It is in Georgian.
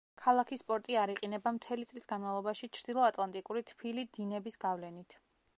ქალაქის პორტი არ იყინება მთელი წლის განმავლობაში ჩრდილო ატლანტიკური თბილი დინების გავლენით.